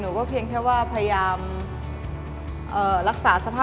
หนูก็เพียงแค่ว่าพยายาม